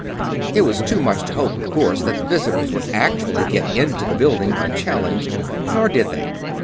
It was too much to hope, of course, that the visitors could actually get into the building unchallenged. Nor did they.